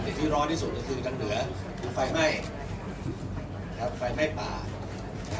ที่ร้อนที่สุดคือทางเหนือมีไฟไหม้ไฟไหม้ป่า